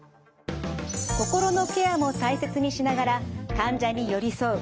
心のケアも大切にしながら患者に寄り添う